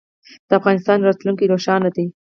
د افغانستان راتلونکی روښانه دی